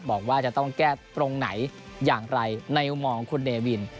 บอกว่าจะต้องแก้ตรงไหนอย่างไรในมุมมองของคุณเนวิน